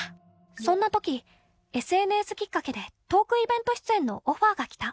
そんなとき、ＳＮＳきっかけでトークイベント出演のオファーが来た。